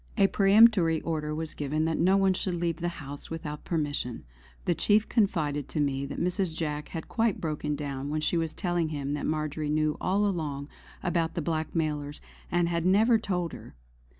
A peremptory order was given that no one should leave the house without permission. The chief confided to me that Mrs. Jack had quite broken down when she was telling him that Marjory knew all along about the blackmailers and had never told her.